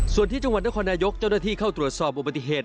ส่วนที่จังหวัดนครนายกเจ้าหน้าที่เข้าตรวจสอบอุบัติเหตุ